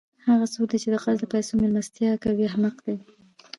هغه څوک، چي د قرض له پېسو میلمستیا کوي؛ احمق دئ!